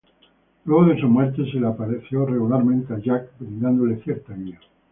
Luego de su muerte, se le apareció regularmente a Jack, brindándole cierta guía.